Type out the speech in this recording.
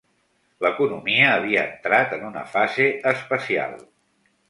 L'economia havia entrat en una fase especial.